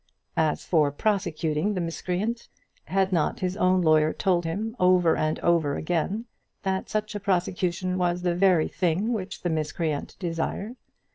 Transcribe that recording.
As for prosecuting the miscreant, had not his own lawyer told him over and over again that such a prosecution was the very thing which the miscreant desired.